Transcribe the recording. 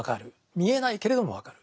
見えないけれども分かる。